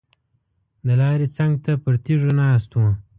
د لارې څنګ ته پر تیږو ناست وو.